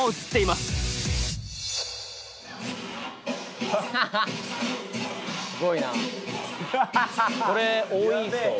すごいなぁ。